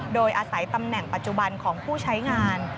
โดยอาศัยตำแหน่งปัจจุบันของผู้ใช้งาน